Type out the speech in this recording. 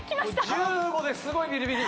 １５ですごいビリビリ。